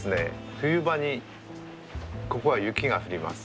冬場にここは雪が降ります。